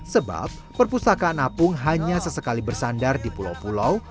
sebab perpustakaan apung hanya sesekali bersandar di pulau pulau